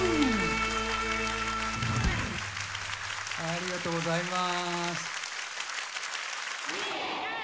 ありがとうございます。